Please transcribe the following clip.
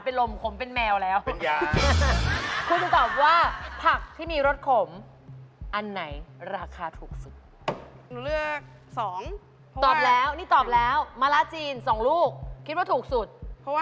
เพราะว่าหาง่ายสุดค่ะ